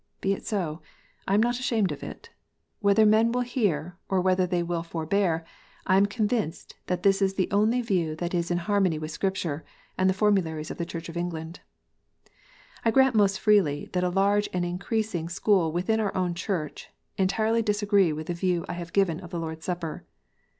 Be it so : I am not ashamed of it. Whether men will hear, or whether they will for bear, I am convinced that this is the only view that is in harmony with Scripture and the formularies of the Church of England. I grant most freely that a large and increasing school within our own Church entirely disagree with the view I have given of the Lord s Supper.